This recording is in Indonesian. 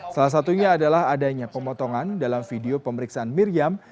salah satunya adalah adanya pemotongan dalam video pemeriksaan miriam